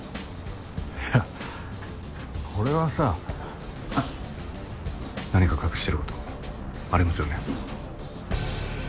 いやこれはさなにか隠してることありますよね？